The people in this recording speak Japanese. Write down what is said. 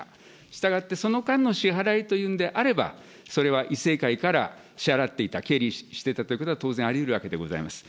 従ってその間の支払いというんであれば、それは以正会から支払っていた、経理していたということは当然ありうるわけでございます。